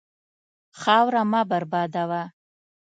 خاوره مه بربادوه.